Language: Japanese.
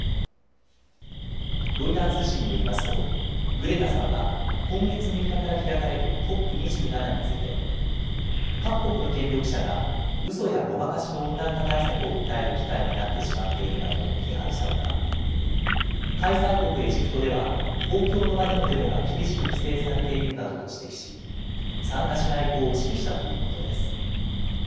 ロイター通信によりますとグレタさんは今月６日から開かれるＣＯＰ２７について各国の権力者がうそやごまかしの温暖化対策を訴える機会になってしまっているなどと批判したほか開催国エジプトでは公共の場でのデモが厳しく規制されているなどと指摘し参加しない意向を示したということです。